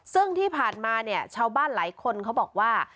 ซึ่งที่ผ่านมาเนี่ยชาวบ้านหลายคนเขาบอกว่า